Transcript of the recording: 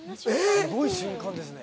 すごい瞬間ですね